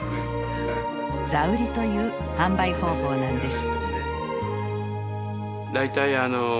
座売りという販売方法なんです。